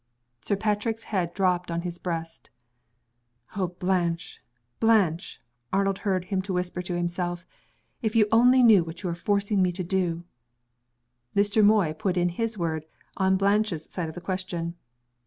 Sir Patrick's head dropped on his breast. "Oh, Blanche! Blanche!" Arnold heard him whisper to himself; "if you only knew what you are forcing me to!" Mr. Moy put in his word, on Blanche's side of the question.